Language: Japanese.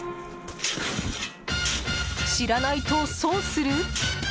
知らないと損する？